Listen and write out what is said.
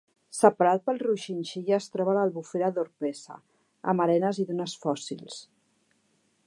Separat pel riu Xinxilla es troba l'albufera d'Orpesa, amb arenes i dunes fòssils.